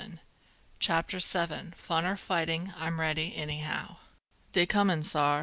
CHAPTER VII. "FUN OR FIGHTING, I'M READY, ANYHOW!" Dey coming, sar!"